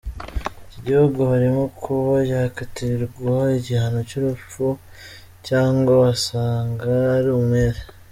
iki gihugu harimo kuba yakatirwa igihano cyurupfu cyangwa basanga ari umwere.